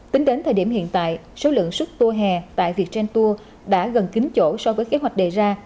tính đến thời điểm hiện tại số lượng sức tour hè tại vietten tour đã gần kính chỗ so với kế hoạch đề ra